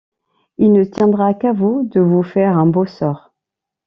Il ne tiendra qu’à vous de vous faire un beau sort.